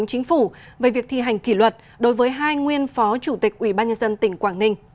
chính phủ về việc thi hành kỷ luật đối với hai nguyên phó chủ tịch ubnd tỉnh quảng ninh